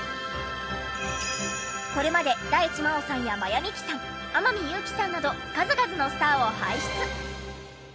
これまで大地真央さんや真矢ミキさん天海祐希さんなど数々のスターを輩出！